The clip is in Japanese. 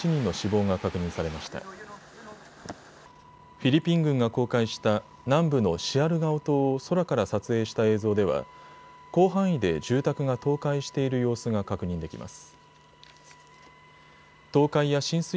フィリピン軍が公開した南部のシアルガオ島を空から撮影した映像では広範囲で住宅が倒壊している様子が確認できます。